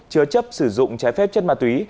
chứa chấp sử dụng trái phép chất ma túy